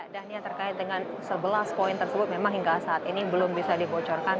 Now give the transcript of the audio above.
dan yang terkait dengan sebelas poin tersebut memang hingga saat ini belum bisa dibocorkan